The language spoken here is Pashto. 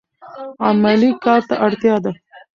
عملي کار ته اړتیا ده.